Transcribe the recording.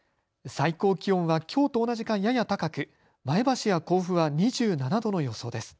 最高気温はきょうと同じかやや高く前橋や甲府は２７度の予想です。